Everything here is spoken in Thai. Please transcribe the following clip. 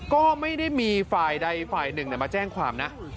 ก็ไม่ได้มีฝ่ายใดฝ่ายหนึ่งมาแจ้งความนะ